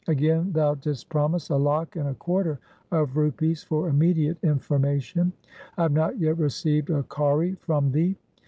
Again, thou didst promise a lakh and a quarter of rupees for immediate information. I have not yet received a kauri from thee.